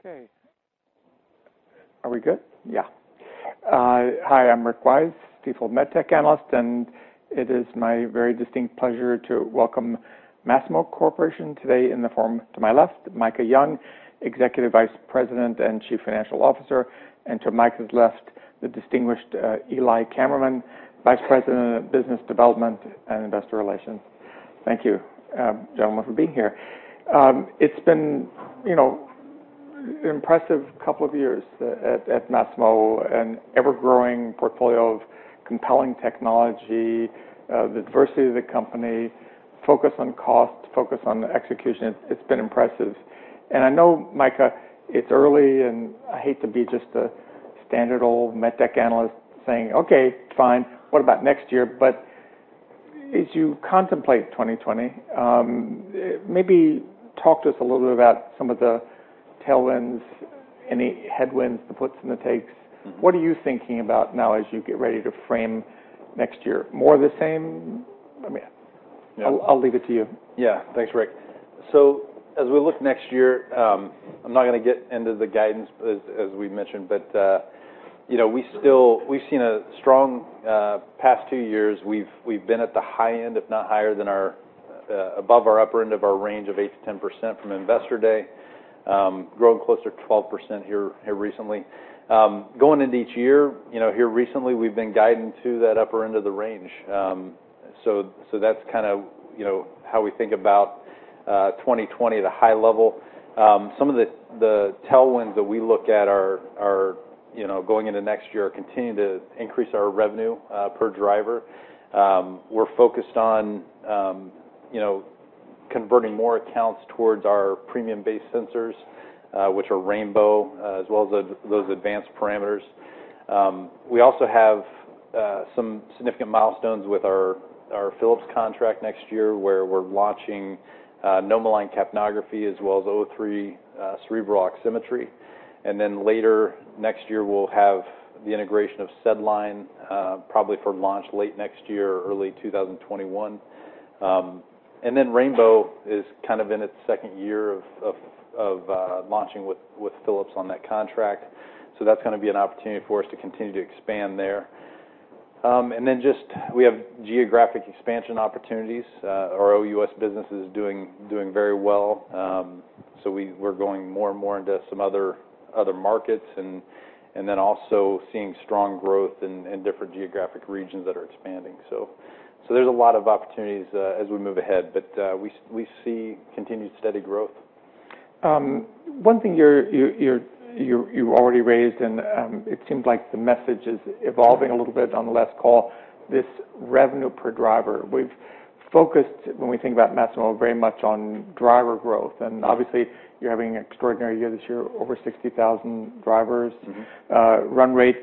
Okay. Are we good? Yeah. Hi, I'm Rick Wise, Stifel MedTech analyst, and it is my very distinct pleasure to welcome Masimo Corporation today in the forum to my left, Micah Young, Executive Vice President and Chief Financial Officer, and to Micah's left, the distinguished Eli Kammerman, Vice President of Business Development and Investor Relations. Thank you, gentlemen, for being here. It's been an impressive couple of years at Masimo and an ever-growing portfolio of compelling technology, the diversity of the company, focus on cost, focus on execution. It's been impressive. And I know, Micah, it's early, and I hate to be just a standard old MedTech analyst saying, "Okay, fine. What about next year?" But as you contemplate 2020, maybe talk to us a little bit about some of the tailwinds, any headwinds, the puts and the takes. What are you thinking about now as you get ready to frame next year? More of the same? I mean, I'll leave it to you. Yeah. Thanks, Rick. So as we look next year, I'm not going to get into the guidance as we mentioned, but we've seen a strong past two years. We've been at the high end, if not higher, than our above our upper end of our range of 8%-10% from investor day, growing close to 12% here recently. Going into each year here recently, we've been guided to that upper end of the range. So that's kind of how we think about 2020 at a high level. Some of the tailwinds that we look at are going into next year, continue to increase our revenue per driver. We're focused on converting more accounts towards our premium-based sensors, which are Rainbow, as well as those advanced parameters. We also have some significant milestones with our Philips contract next year where we're launching NomoLine capnography as well as O3 cerebral oximetry, and then later next year, we'll have the integration of SedLine, probably for launch late next year or early 2021, and then Rainbow is kind of in its second year of launching with Philips on that contract, so that's going to be an opportunity for us to continue to expand there, and then just we have geographic expansion opportunities. Our OUS business is doing very well, so we're going more and more into some other markets and then also seeing strong growth in different geographic regions that are expanding, so there's a lot of opportunities as we move ahead, but we see continued steady growth. One thing you already raised, and it seems like the message is evolving a little bit on the last call, this revenue per driver. We've focused, when we think about Masimo, very much on driver growth. And obviously, you're having an extraordinary year this year, over 60,000 drivers run rate.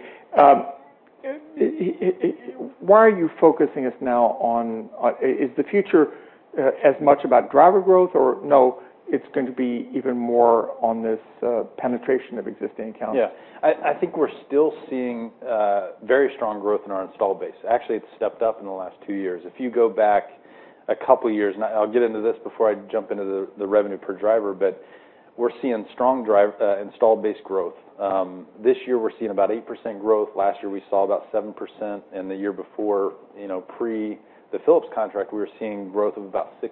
Why are you focusing us now on is the future as much about driver growth or no, it's going to be even more on this penetration of existing accounts? Yeah. I think we're still seeing very strong growth in our installed base. Actually, it's stepped up in the last two years. If you go back a couple of years, and I'll get into this before I jump into the revenue per driver, but we're seeing strong installed base growth. This year, we're seeing about 8% growth. Last year, we saw about 7%. And the year before, pre the Philips contract, we were seeing growth of about 6%.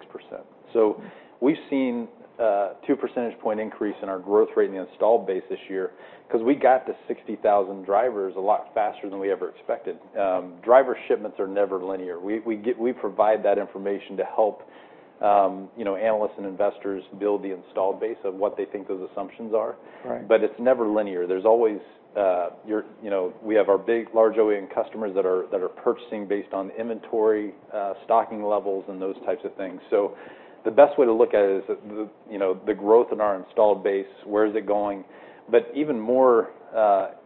So we've seen a 2 percentage point increase in our growth rate in the installed base this year because we got to 60,000 drivers a lot faster than we ever expected. Driver shipments are never linear. We provide that information to help analysts and investors build the installed base of what they think those assumptions are. But it's never linear. There's always we have our big large OEM customers that are purchasing based on inventory, stocking levels, and those types of things. So the best way to look at it is the growth in our installed base, where is it going? But even more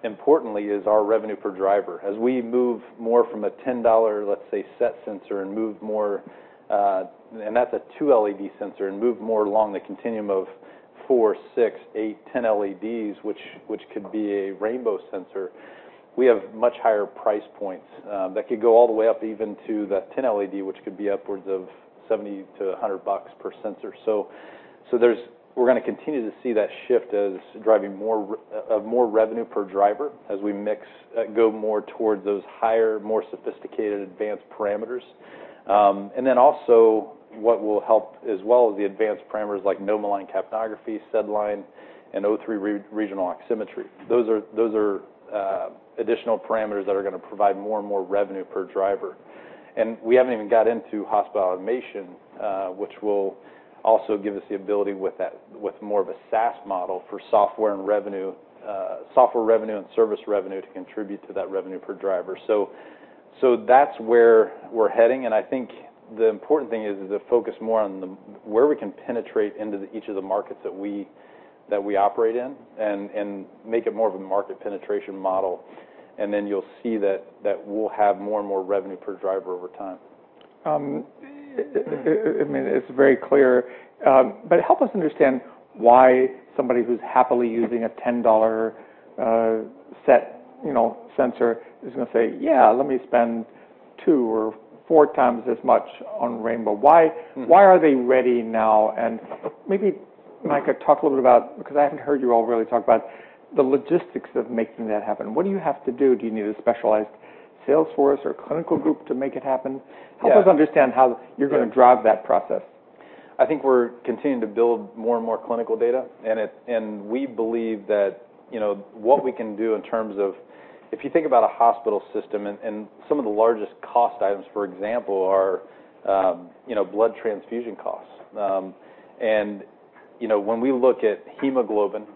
importantly is our revenue per driver. As we move more from a $10, let's say, SET sensor and move more—and that's a two LED sensor—and move more along the continuum of 4, 6, 8, 10 LEDs, which could be a Rainbow sensor, we have much higher price points that could go all the way up even to the 10 LED, which could be upwards of $70-$100 per sensor. So we're going to continue to see that shift as driving more revenue per driver as we go more towards those higher, more sophisticated advanced parameters. And then also what will help as well is the advanced parameters like NomoLine capnography, SedLine, and O3 regional oximetry. Those are additional parameters that are going to provide more and more revenue per driver. And we haven't even got into hospital automation, which will also give us the ability with more of a SaaS model for software and service revenue to contribute to that revenue per driver. So that's where we're heading. And I think the important thing is to focus more on where we can penetrate into each of the markets that we operate in and make it more of a market penetration model. And then you'll see that we'll have more and more revenue per driver over time. I mean, it's very clear. But help us understand why somebody who's happily using a $10 SET sensor is going to say, "Yeah, let me spend two or four times as much on Rainbow." Why are they ready now? And maybe, Micah, talk a little bit about, because I haven't heard you all really talk about the logistics of making that happen. What do you have to do? Do you need a specialized sales force or clinical group to make it happen? Help us understand how you're going to drive that process. I think we're continuing to build more and more clinical data, and we believe that what we can do in terms of if you think about a hospital system and some of the largest cost items, for example, are blood transfusion costs, and when we look at hemoglobin,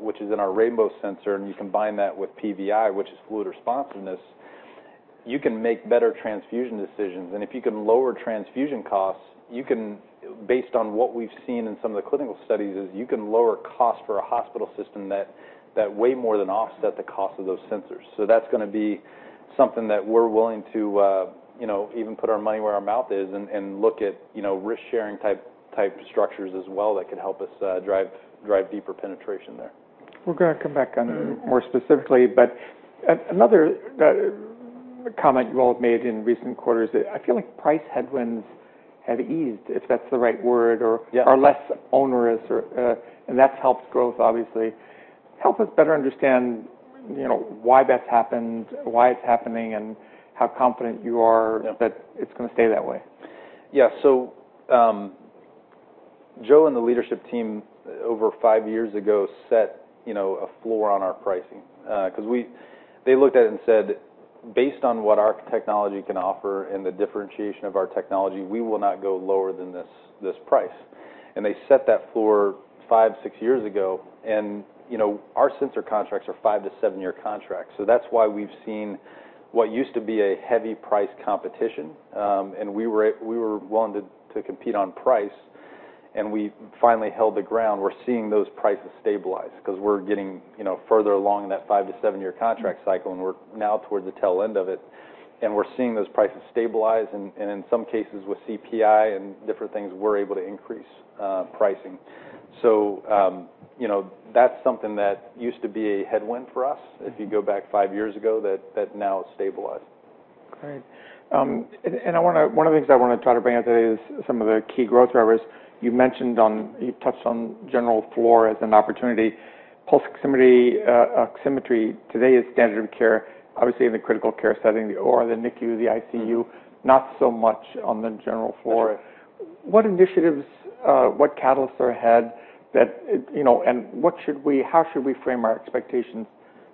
which is in our Rainbow sensor, and you combine that with PVI, which is fluid responsiveness, you can make better transfusion decisions, and if you can lower transfusion costs, you can, based on what we've seen in some of the clinical studies, you can lower costs for a hospital system that way more than offset the cost of those sensors, so that's going to be something that we're willing to even put our money where our mouth is and look at risk-sharing type structures as well that could help us drive deeper penetration there. We're going to come back on more specifically, but another comment you all have made in recent quarters, I feel like price headwinds have eased, if that's the right word, or are less onerous, and that's helped growth, obviously. Help us better understand why that's happened, why it's happening, and how confident you are that it's going to stay that way. Yeah. So Joe and the leadership team over five years ago set a floor on our pricing because they looked at it and said, "Based on what our technology can offer and the differentiation of our technology, we will not go lower than this price." And they set that floor five, six years ago. And our sensor contracts are five-to-seven-year contracts. So that's why we've seen what used to be a heavy price competition, and we were willing to compete on price, and we finally held the ground. We're seeing those prices stabilize because we're getting further along in that five-to-seven-year contract cycle, and we're now towards the tail end of it. And we're seeing those prices stabilize. And in some cases with CPI and different things, we're able to increase pricing. So that's something that used to be a headwind for us. If you go back five years ago, that now has stabilized. Great, and one of the things I want to try to bring out today is some of the key growth drivers. You've touched on general floor as an opportunity. Pulse oximetry today is standard of care, obviously in the critical care setting, or the NICU, the ICU, not so much on the general floor. What initiatives, what catalysts are ahead, and how should we frame our expectations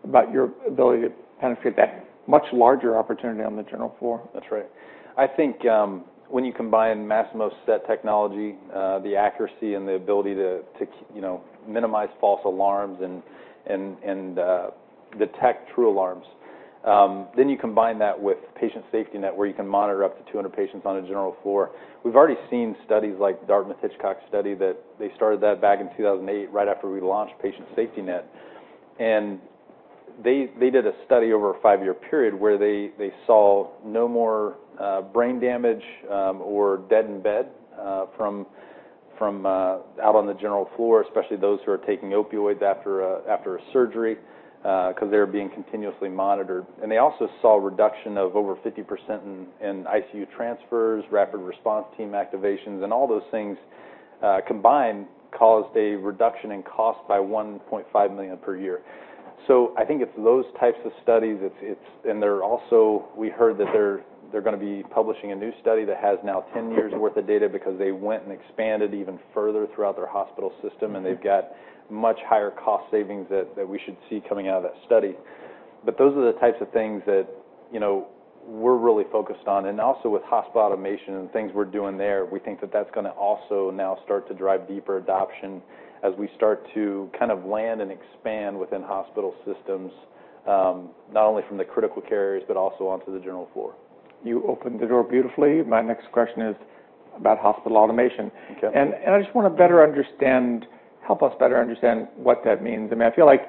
about your ability to penetrate that much larger opportunity on the general floor? That's right. I think when you combine Masimo's SET technology, the accuracy, and the ability to minimize false alarms and detect true alarms, then you combine that with Patient SafetyNet where you can monitor up to 200 patients on a general floor. We've already seen studies like Dartmouth-Hitchcock study that they started that back in 2008 right after we launched Patient SafetyNet. And they did a study over a five-year period where they saw no more brain damage or dead in bed from out on the general floor, especially those who are taking opioids after a surgery because they're being continuously monitored. And they also saw a reduction of over 50% in ICU transfers, rapid response team activations, and all those things combined caused a reduction in cost by $1.5 million per year. So I think it's those types of studies, and we heard that they're going to be publishing a new study that has now 10 years' worth of data because they went and expanded even further throughout their hospital system, and they've got much higher cost savings that we should see coming out of that study. But those are the types of things that we're really focused on. And also with hospital automation and things we're doing there, we think that that's going to also now start to drive deeper adoption as we start to kind of land and expand within hospital systems, not only from the critical care areas but also onto the general floor. You opened the door beautifully. My next question is about hospital automation. And I just want to better understand, help us better understand what that means. I mean, I feel like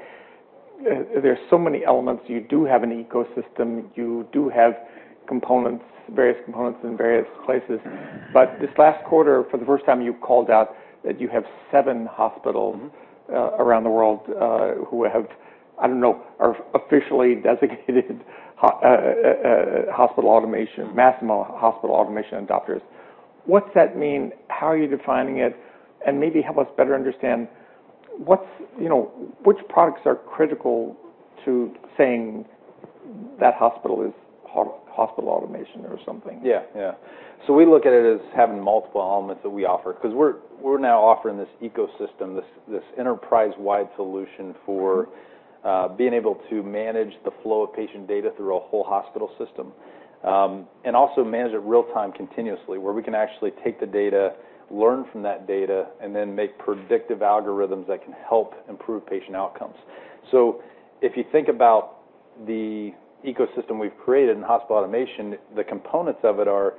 there's so many elements. You do have an ecosystem. You do have various components in various places. But this last quarter, for the first time, you called out that you have seven hospitals around the world who have, I don't know, are officially designated Masimo hospital automation adopters. What's that mean? How are you defining it? And maybe help us better understand which products are critical to saying that hospital is hospital automation or something. Yeah. Yeah. So we look at it as having multiple elements that we offer because we're now offering this ecosystem, this enterprise-wide solution for being able to manage the flow of patient data through a whole hospital system and also manage it real-time continuously where we can actually take the data, learn from that data, and then make predictive algorithms that can help improve patient outcomes. So if you think about the ecosystem we've created in hospital automation, the components of it are,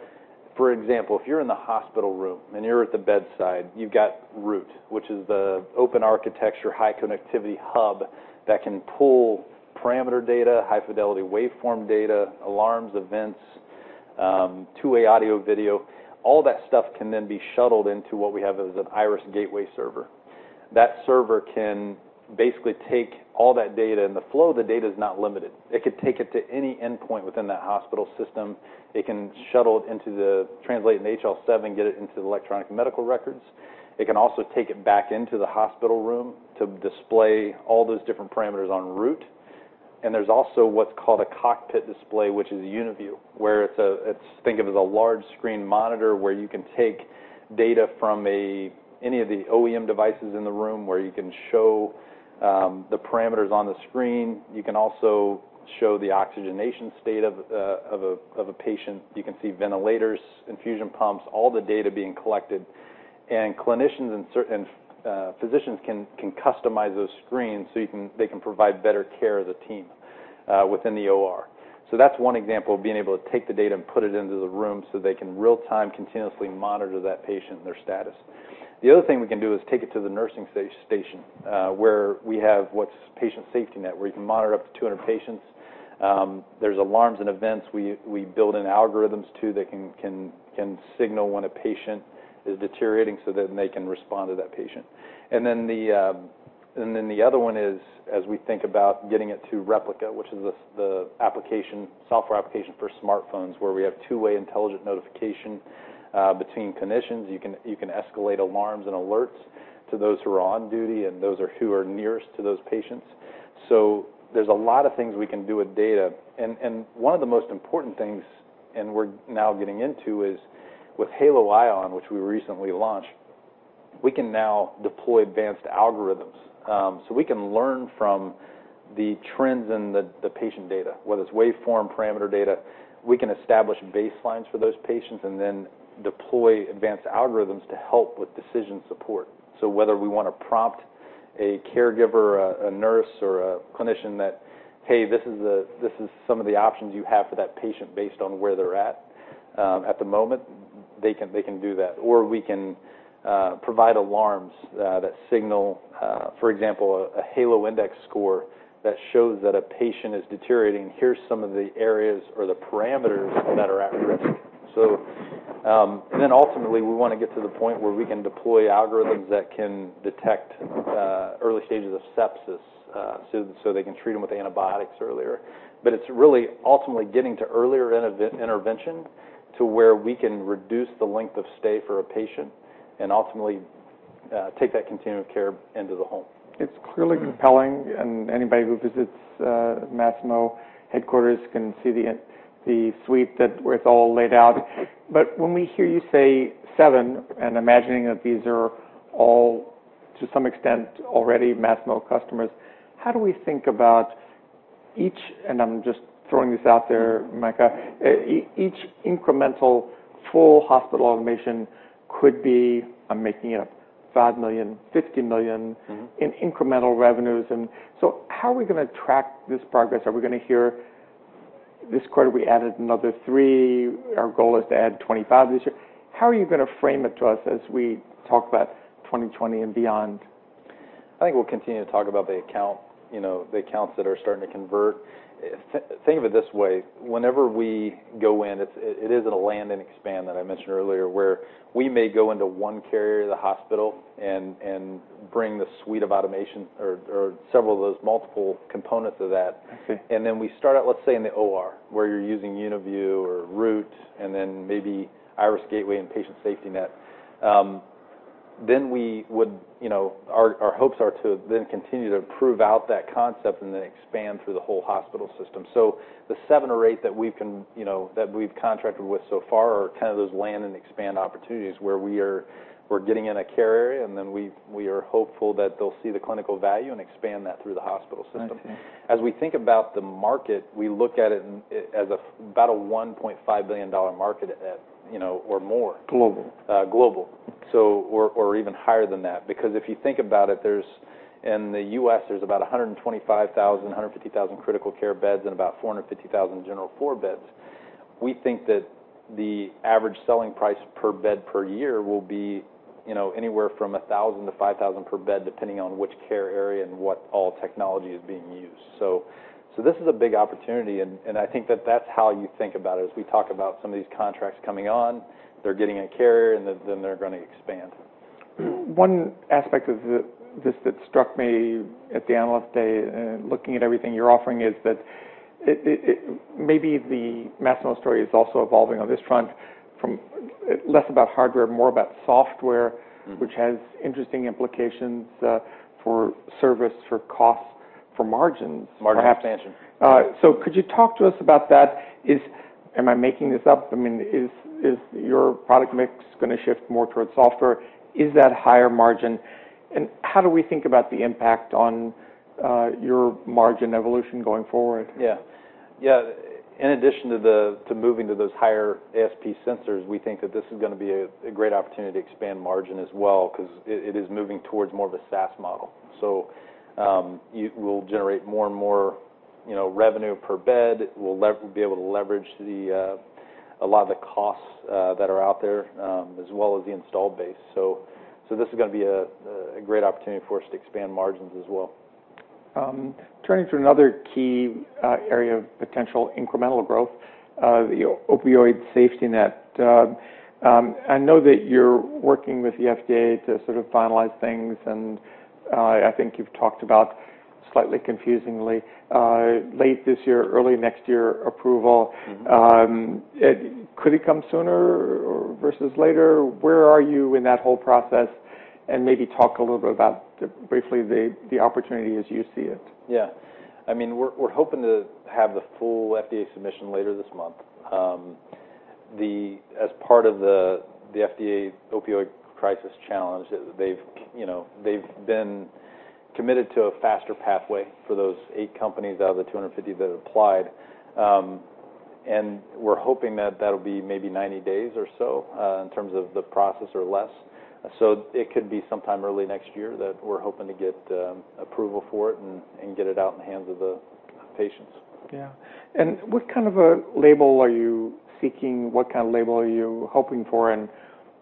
for example, if you're in the hospital room and you're at the bedside, you've got Root, which is the open architecture, high connectivity hub that can pull parameter data, high fidelity waveform data, alarms, events, two-way audio video. All that stuff can then be shuttled into what we have as an Iris Gateway server. That server can basically take all that data, and the flow of the data is not limited. It could take it to any endpoint within that hospital system. It can shuttle it into the translator in the HL7, get it into the electronic medical records. It can also take it back into the hospital room to display all those different parameters on Root, and there's also what's called a cockpit display, which is UniView, where it's thought of as a large screen monitor where you can take data from any of the OEM devices in the room where you can show the parameters on the screen. You can also show the oxygenation state of a patient. You can see ventilators, infusion pumps, all the data being collected, and clinicians and physicians can customize those screens so they can provide better care as a team within the OR. So that's one example of being able to take the data and put it into the room so they can real-time continuously monitor that patient and their status. The other thing we can do is take it to the nursing station where we have what's Patient SafetyNet, where you can monitor up to 200 patients. There's alarms and events. We build in algorithms too that can signal when a patient is deteriorating so then they can respond to that patient. And then the other one is, as we think about getting it to Replica, which is the software application for smartphones where we have two-way intelligent notification between clinicians. You can escalate alarms and alerts to those who are on duty and those who are nearest to those patients. So there's a lot of things we can do with data. And one of the most important things, and we're now getting into, is with Halo ION, which we recently launched, we can now deploy advanced algorithms. So we can learn from the trends in the patient data, whether it's waveform, parameter data. We can establish baselines for those patients and then deploy advanced algorithms to help with decision support. So whether we want to prompt a caregiver, a nurse, or a clinician that, "Hey, this is some of the options you have for that patient based on where they're at the moment," they can do that. Or we can provide alarms that signal, for example, a Halo Index score that shows that a patient is deteriorating. Here's some of the areas or the parameters that are at risk. And then ultimately, we want to get to the point where we can deploy algorithms that can detect early stages of sepsis so they can treat them with antibiotics earlier. But it's really ultimately getting to earlier intervention to where we can reduce the length of stay for a patient and ultimately take that continuum of care into the home. It's clearly compelling, and anybody who visits Masimo headquarters can see the suite where it's all laid out. But when we hear you say seven and imagining that these are all, to some extent, already Masimo customers, how do we think about each (and I'm just throwing this out there, Micah) each incremental full hospital automation could be, I'm making it up, $5 million, $50 million in incremental revenues. And so how are we going to track this progress? Are we going to hear, "This quarter, we added another three. Our goal is to add 25 this year." How are you going to frame it to us as we talk about 2020 and beyond? I think we'll continue to talk about the accounts that are starting to convert. Think of it this way. Whenever we go in, it is a land and expand that I mentioned earlier where we may go into one care area, the hospital, and bring the suite of automation or several of those multiple components of that, and then we start out, let's say, in the OR where you're using UniView or Root and then maybe Iris Gateway and Patient SafetyNet, then our hopes are to then continue to prove out that concept and then expand through the whole hospital system, so the seven or eight that we've contracted with so far are kind of those land and expand opportunities where we're getting in a care area, and then we are hopeful that they'll see the clinical value and expand that through the hospital system. As we think about the market, we look at it as about a $1.5 billion market or more. Global. Global. Or even higher than that. Because if you think about it, in the U.S., there's about 125,000-150,000 critical care beds and about 450,000 general floor beds. We think that the average selling price per bed per year will be anywhere from $1,000-$5,000 per bed depending on which care area and what all technology is being used. So this is a big opportunity, and I think that that's how you think about it as we talk about some of these contracts coming on. They're getting a carrier, and then they're going to expand. One aspect of this that struck me at the analyst day looking at everything you're offering is that maybe the Masimo story is also evolving on this front from less about hardware, more about software, which has interesting implications for service, for costs, for margins. Margin expansion. So could you talk to us about that? Am I making this up? I mean, is your product mix going to shift more towards software? Is that higher margin? And how do we think about the impact on your margin evolution going forward? Yeah. Yeah. In addition to moving to those higher ASP sensors, we think that this is going to be a great opportunity to expand margin as well because it is moving towards more of a SaaS model. So we'll generate more and more revenue per bed. We'll be able to leverage a lot of the costs that are out there as well as the installed base. So this is going to be a great opportunity for us to expand margins as well. Turning to another key area of potential incremental growth, the Opioid SafetyNet. I know that you're working with the FDA to sort of finalize things, and I think you've talked about slightly confusingly late this year, early next year approval. Could it come sooner versus later? Where are you in that whole process? And maybe talk a little bit about briefly the opportunity as you see it. Yeah. I mean, we're hoping to have the full FDA submission later this month. As part of the FDA opioid crisis challenge, they've been committed to a faster pathway for those eight companies out of the 250 that applied, and we're hoping that that'll be maybe 90 days or so in terms of the process or less, so it could be sometime early next year that we're hoping to get approval for it and get it out in the hands of the patients. Yeah. And what kind of a label are you seeking? What kind of a label are you hoping for? And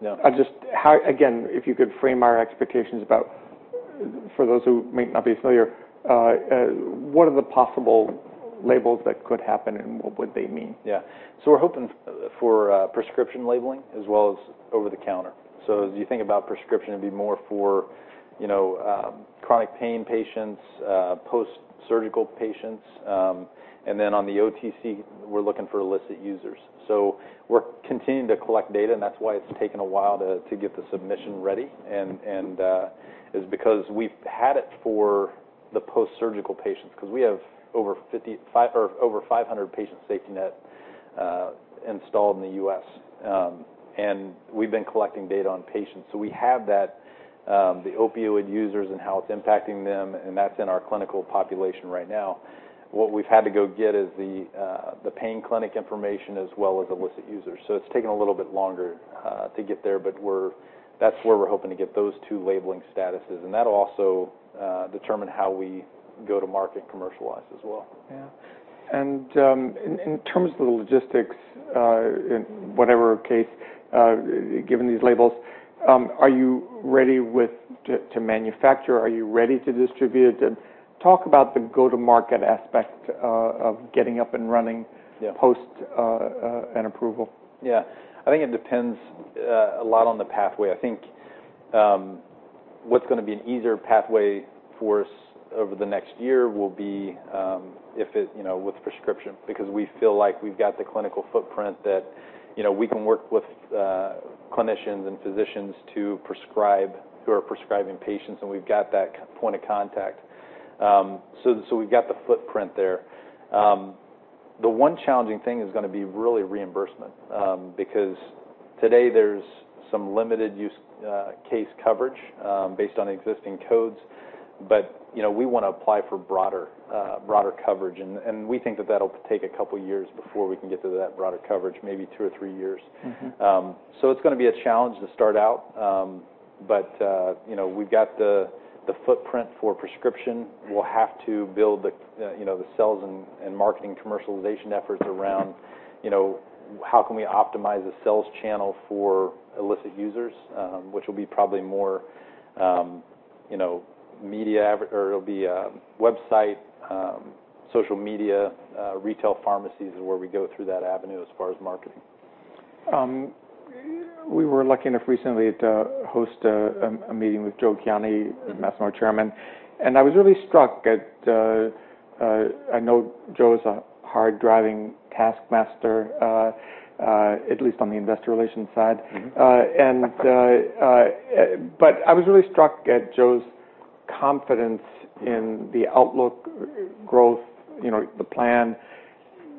again, if you could frame our expectations about, for those who might not be familiar, what are the possible labels that could happen and what would they mean? Yeah. So we're hoping for prescription labeling as well as over-the-counter. So as you think about prescription, it'd be more for chronic pain patients, post-surgical patients. And then on the OTC, we're looking for illicit users. So we're continuing to collect data, and that's why it's taken a while to get the submission ready. And it's because we've had it for the post-surgical patients because we have over 500 Patient SafetyNet installed in the US. And we've been collecting data on patients. So we have that, the opioid users and how it's impacting them, and that's in our clinical population right now. What we've had to go get is the pain clinic information as well as illicit users. So it's taken a little bit longer to get there, but that's where we're hoping to get those two labeling statuses. That'll also determine how we go to market and commercialize as well. Yeah. And in terms of the logistics, in whatever case, given these labels, are you ready to manufacture? Are you ready to distribute? Talk about the go-to-market aspect of getting up and running post an approval. Yeah. I think it depends a lot on the pathway. I think what's going to be an easier pathway for us over the next year will be with prescription because we feel like we've got the clinical footprint that we can work with clinicians and physicians who are prescribing patients, and we've got that point of contact, so we've got the footprint there. The one challenging thing is going to be really reimbursement because today there's some limited use case coverage based on existing codes, but we want to apply for broader coverage, and we think that that'll take a couple of years before we can get to that broader coverage, maybe two or three years, so it's going to be a challenge to start out, but we've got the footprint for prescription. We'll have to build the sales and marketing commercialization efforts around how can we optimize the sales channel for illicit users, which will be probably more media or it'll be website, social media. Retail pharmacies is where we go through that avenue as far as marketing. We were lucky enough recently to host a meeting with Joe Kiani, Masimo Chairman, and I was really struck. I know Joe is a hard-driving taskmaster, at least on the investor relations side. But I was really struck by Joe's confidence in the outlook, growth, the plan.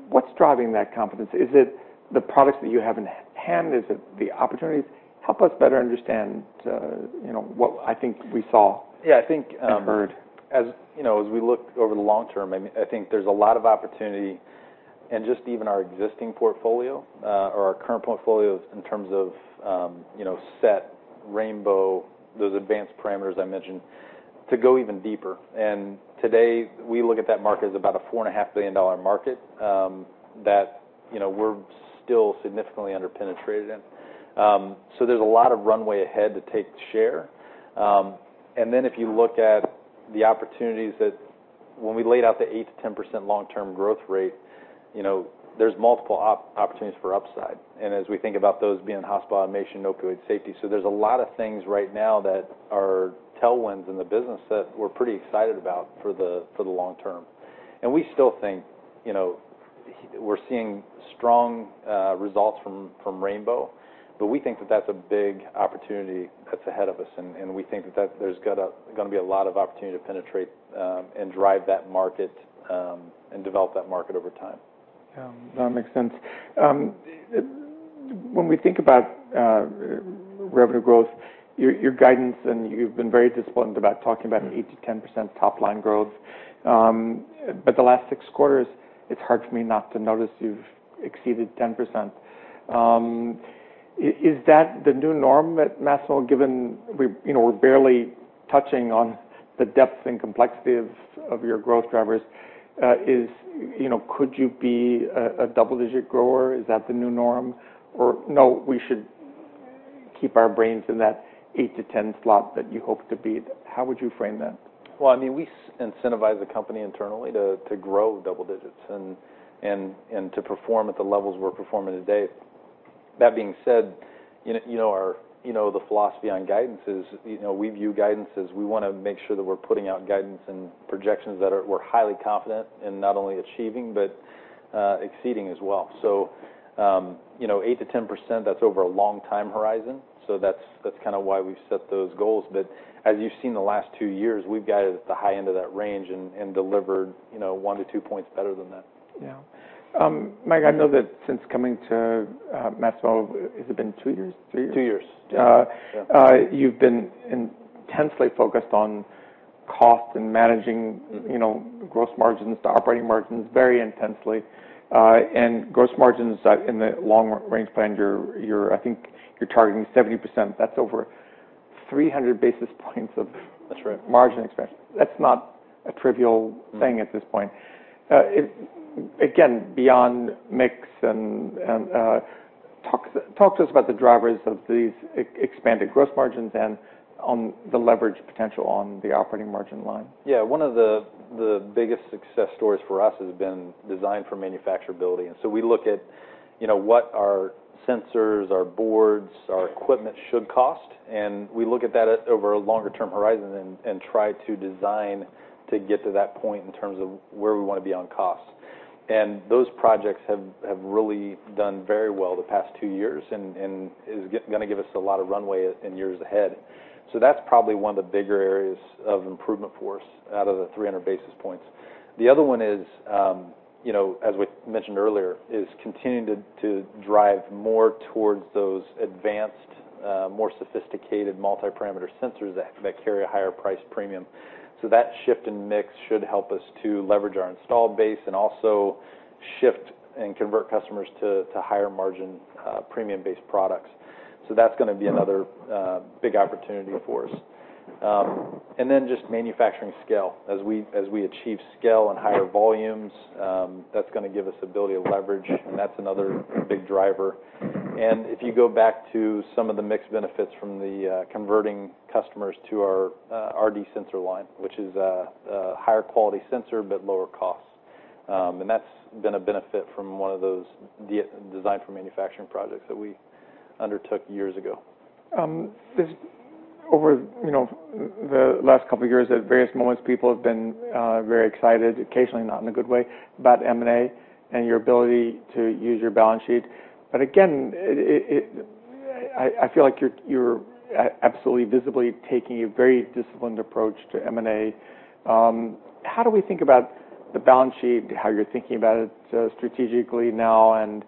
What's driving that confidence? Is it the products that you have in hand? Is it the opportunities? Help us better understand what I think we saw and heard. Yeah. I think as we look over the long term, I think there's a lot of opportunity in just even our existing portfolio or our current portfolio in terms of SET, Rainbow, those advanced parameters I mentioned to go even deeper. And today, we look at that market as about a $4.5 billion market that we're still significantly under-penetrated in. So there's a lot of runway ahead to take share. And then if you look at the opportunities that when we laid out the 8%-10% long-term growth rate, there's multiple opportunities for upside. And as we think about those being hospital automation, opioid safety, so there's a lot of things right now that are tailwinds in the business that we're pretty excited about for the long term. And we still think we're seeing strong results from Rainbow, but we think that that's a big opportunity that's ahead of us. And we think that there's going to be a lot of opportunity to penetrate and drive that market and develop that market over time. Yeah. That makes sense. When we think about revenue growth, your guidance and you've been very disciplined about talking about 8%-10% top-line growth. But the last six quarters, it's hard for me not to notice you've exceeded 10%. Is that the new norm at Masimo given we're barely touching on the depth and complexity of your growth drivers? Could you be a double-digit grower? Is that the new norm? Or no, we should keep our brains in that 8%-10% slot that you hope to beat. How would you frame that? I mean, we incentivize the company internally to grow double digits and to perform at the levels we're performing today. That being said, you know the philosophy on guidance is we view guidance as we want to make sure that we're putting out guidance and projections that we're highly confident in not only achieving but exceeding as well. 8%-10%, that's over a long time horizon. That's kind of why we've set those goals. As you've seen the last two years, we've guided at the high end of that range and delivered one to two points better than that. Yeah. Mike, I know that since coming to Masimo, has it been two years, three years? Two years. You've been intensely focused on cost and managing gross margins to operating margins very intensely, and gross margins in the long-range plan, I think you're targeting 70%. That's over 300 basis points of margin expansion. That's not a trivial thing at this point. Again, beyond mix and talk to us about the drivers of these expanded gross margins and the leverage potential on the operating margin line. Yeah. One of the biggest success stories for us has been design for manufacturability. We look at what our sensors, our boards, our equipment should cost. We look at that over a longer-term horizon and try to design to get to that point in terms of where we want to be on cost. Those projects have really done very well the past two years and are going to give us a lot of runway in years ahead. That's probably one of the bigger areas of improvement for us out of the 300 basis points. The other one is, as we mentioned earlier, continuing to drive more towards those advanced, more sophisticated multi-parameter sensors that carry a higher price premium. That shift in mix should help us to leverage our installed base and also shift and convert customers to higher margin premium-based products. So that's going to be another big opportunity for us. And then just manufacturing scale. As we achieve scale and higher volumes, that's going to give us the ability to leverage, and that's another big driver. And if you go back to some of the mixed benefits from the converting customers to our RD sensor line, which is a higher quality sensor but lower cost. And that's been a benefit from one of those design for manufacturing projects that we undertook years ago. Over the last couple of years, at various moments, people have been very excited, occasionally not in a good way, about M&A and your ability to use your balance sheet. But again, I feel like you're absolutely visibly taking a very disciplined approach to M&A. How do we think about the balance sheet, how you're thinking about it strategically now, and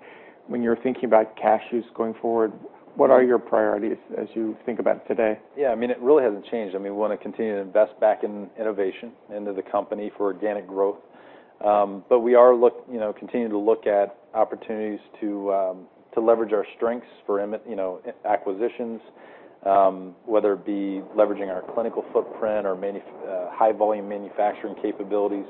when you're thinking about cash use going forward, what are your priorities as you think about today? Yeah. I mean, it really hasn't changed. I mean, we want to continue to invest back in innovation into the company for organic growth. But we are continuing to look at opportunities to leverage our strengths for acquisitions, whether it be leveraging our clinical footprint or high-volume manufacturing capabilities.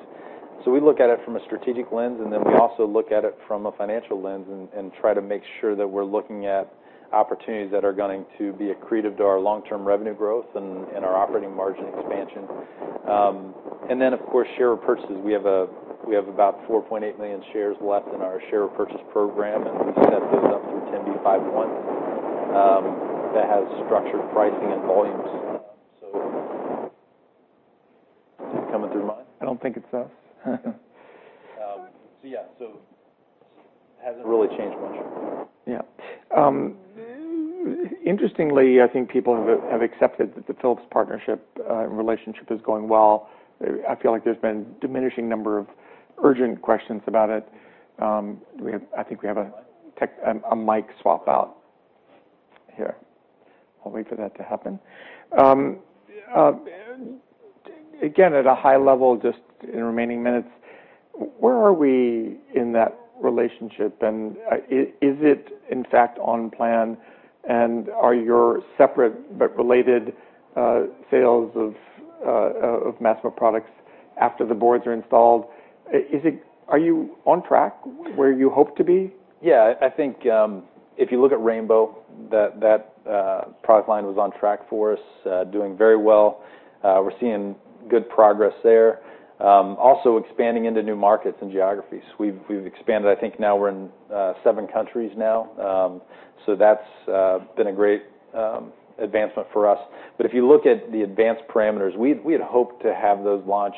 So we look at it from a strategic lens, and then we also look at it from a financial lens and try to make sure that we're looking at opportunities that are going to be accretive to our long-term revenue growth and our operating margin expansion. And then, of course, share repurchases. We have about 4.8 million shares left in our share repurchase program, and we set those up through 10b5-1 that has structured pricing and volumes. So it's coming through nicely. I don't think it's us. Yeah, so it hasn't really changed much. Yeah. Interestingly, I think people have accepted that the Philips partnership and relationship is going well. I feel like there's been a diminishing number of urgent questions about it. I think we have a mic swap out here. I'll wait for that to happen. Again, at a high level, just in remaining minutes, where are we in that relationship? And is it, in fact, on plan? And are your separate but related sales of Masimo products after the boards are installed? Are you on track where you hope to be? Yeah. I think if you look at Rainbow, that product line was on track for us, doing very well. We're seeing good progress there. Also expanding into new markets and geographies. We've expanded. I think now we're in seven countries now. So that's been a great advancement for us. But if you look at the advanced parameters, we had hoped to have those launch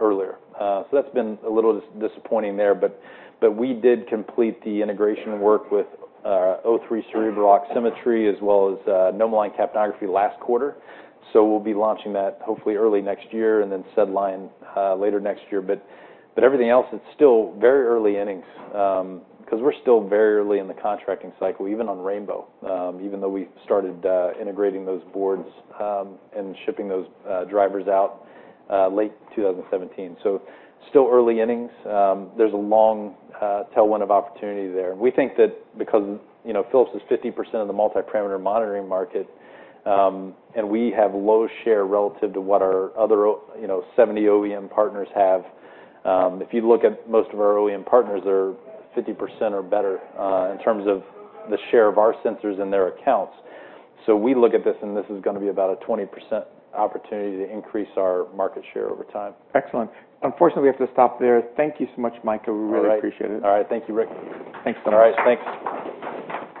earlier. So that's been a little disappointing there. But we did complete the integration work with O3 cerebral oximetry as well as NomoLine capnography last quarter. So we'll be launching that hopefully early next year and then SedLine later next year. But everything else, it's still very early innings because we're still very early in the contracting cycle, even on Rainbow, even though we've started integrating those boards and shipping those drivers out late 2017. So still early innings. There's a long tailwind of opportunity there. And we think that because Philips is 50% of the multi-parameter monitoring market and we have low share relative to what our other 70 OEM partners have, if you look at most of our OEM partners, they're 50% or better in terms of the share of our sensors in their accounts. So we look at this and this is going to be about a 20% opportunity to increase our market share over time. Excellent. Unfortunately, we have to stop there. Thank you so much, Mike. We really appreciate it. All right. Thank you, Rick. Thanks so much. All right. Thanks.